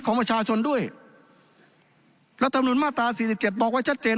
ของประชาชนด้วยรัฐมนุนมาตราสี่สิบเจ็ดบอกว่าชัดเจน